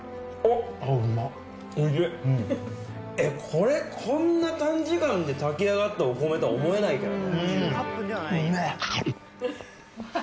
これこんな短時間で炊き上がったお米とは思えないけどね。